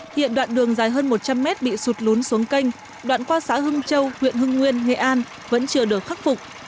hiện đoạn đường dài hơn một trăm linh mét bị sụt lún xuống kênh đoạn qua xã hưng châu huyện hưng nguyên nghệ an vẫn chưa được khắc phục